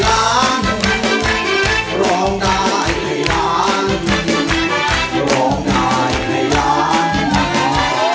จะร้องได้ให้ร้าน